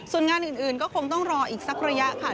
ส่วนงานอื่นก็คงต้องรออีกสักระยะค่ะ